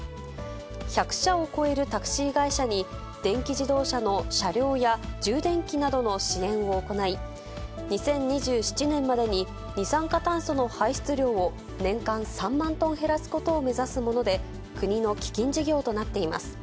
１００社を超えるタクシー会社に、電気自動車の車両や充電器などの支援を行い、２０２７年までに二酸化炭素の排出量を年間３万トン減らすことを目指すもので、国の基金事業となっています。